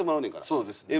そうですね。